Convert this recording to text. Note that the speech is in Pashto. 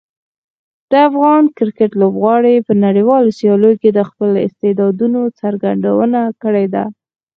د افغان کرکټ لوبغاړي په نړیوالو سیالیو کې د خپلو استعدادونو څرګندونه کړې ده.